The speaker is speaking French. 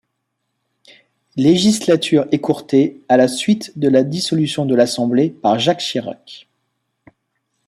Legislature écourtée à la suite de la dissolution de l'assemblée par Jacques Chirac.